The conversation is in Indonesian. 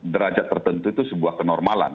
derajat tertentu itu sebuah kenormalan